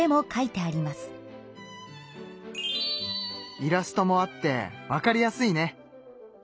イラストもあってわかりやすいね。